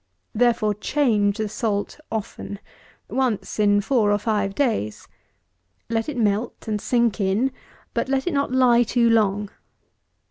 Therefore, change the salt often. Once in four or five days. Let it melt, and sink in; but let it not lie too long.